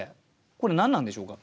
これ何なんでしょうか？